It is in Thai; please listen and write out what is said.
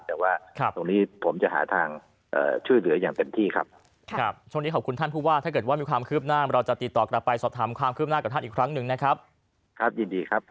แต่ว่าตรงนี้ผมจะหาทางชื่อเหลืออย่างเป็นที่